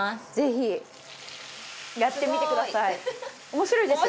面白いですよね。